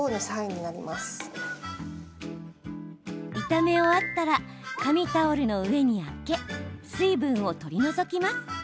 炒め終わったら紙タオルの上にあけ水分を取り除きます。